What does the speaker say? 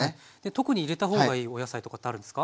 特に入れた方がいいお野菜とかってあるんですか？